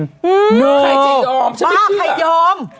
ใครจะยอมฉันไม่ชื่อบ้าใครยอม